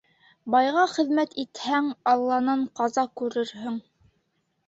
Байға хеҙмәт итһәң, Алланан ҡаза күрерһең.